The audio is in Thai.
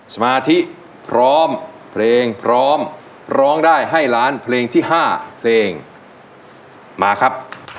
สมาธิพร้อมเพลงพร้อมร้องได้ให้ล้านเพลงที่๕เพลงมาครับ